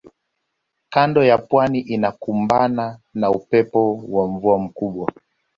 kando ya pwani inakumbana na upepo wa mvua kubwa